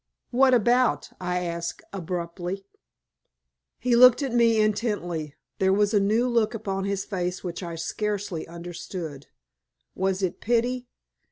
"What about?" I asked, abruptly. He looked at me intently. There was a new look upon his face which I scarcely understood. Was it pity.